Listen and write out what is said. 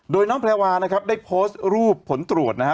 โดยน้องแพรวานะครับได้โพสต์รูปผลตรวจนะฮะ